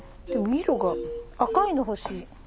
でも色が赤いの欲しい。